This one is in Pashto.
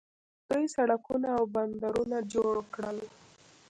دوی سړکونه او بندرونه جوړ کړل.